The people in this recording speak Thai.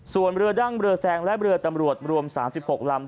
ส่วนเรือดั้งเรือแซงและเรือตำรวจรวม๓๖ลำ